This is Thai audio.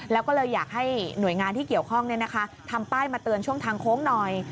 แล้วก็เลยอยากให้หน่วยงานที่เกี่ยวข้องทำป้ายมาเตือนช่วงทางโค้งหน่อย